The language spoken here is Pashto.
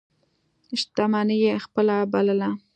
شتمني یې خپله بلله.